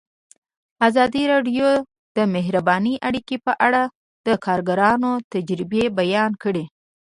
ازادي راډیو د بهرنۍ اړیکې په اړه د کارګرانو تجربې بیان کړي.